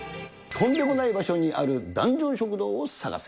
とんでもない場所にあるダンジョン食堂を探せ！